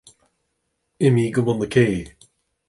Imigh go bun na cé.